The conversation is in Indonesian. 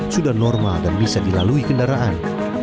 sudah normal dan bisa dilalui kendaraan